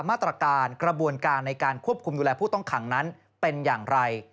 มาตรการกระบวนการในการควบคุมดูแลผู้ต้องขังนั้นเป็นอย่างไร